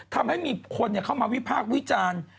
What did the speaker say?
ทำให้มีคนเข้ามาวิพากษ์วิจารณ์